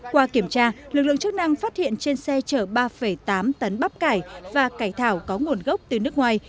qua kiểm tra lực lượng chức năng phát hiện trên xe chở ba tám tấn bắp cải và cải thảo có nguồn gốc từ nước ngoài